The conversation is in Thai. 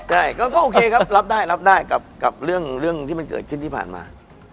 ใช่ก็โอเคครับรับได้รับได้กับเรื่องที่มันเกิดขึ้นที่ผ่านมา